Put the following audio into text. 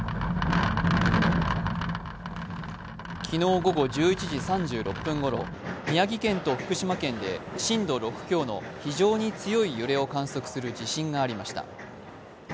昨日午後１１時３６分頃、宮城県と福島県で震度６強の非常に強い揺れを観測する地震がありました。